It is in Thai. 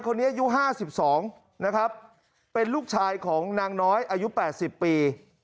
คนนี้ยูบ๕๒นะครับเป็นลูกชายของนางน้อยอายุเป็น๑๐ปี